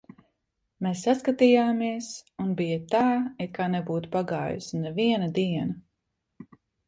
Mēs saskatījāmies, un bija tā, it kā nebūtu pagājusi neviena diena.